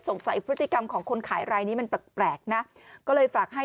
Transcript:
พฤติกรรมของคนขายรายนี้มันแปลกนะก็เลยฝากให้